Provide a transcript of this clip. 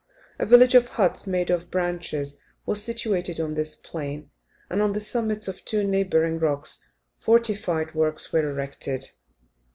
A village of huts, made of branches, was situated on this plain, and on the summits of two neighbouring rocks fortified works were erected.